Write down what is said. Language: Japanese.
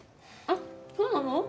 あっそうなの？